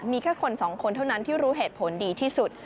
มีแค่คนสองคนเท่านั้นที่รู้เหตุผลดีที่สุด